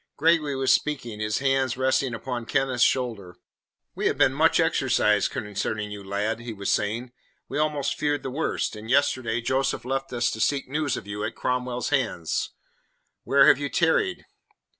Gregory was speaking, his hands resting upon Kenneth's shoulder. "We have been much exercised concerning you, lad," he was saying. "We almost feared the worst, and yesterday Joseph left us to seek news of you at Cromwell's hands. Where have you tarried?"